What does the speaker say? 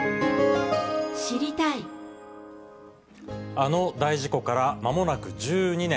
あの大事故からまもなく１２年。